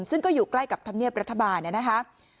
ซึ่งก็อยู่ใกล้กับธรรมเนียบรัฐบาลนะครับ